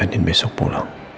adin besok pulang